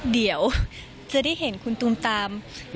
เดี๋ยวจะได้เห็นคุณตูมตาม